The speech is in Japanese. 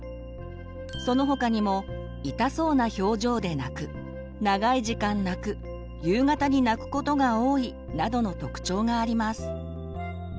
その他にも痛そうな表情で泣く長い時間泣く夕方に泣くことが多いなどの特徴があります。